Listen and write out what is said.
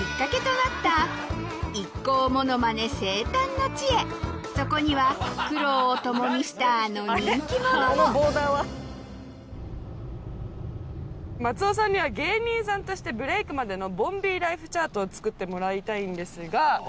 そしてそこには苦労を共にしたあの人気者も松尾さんには芸人さんとしてブレイクまでのボンビーライフチャートを作ってもらいたいんですが。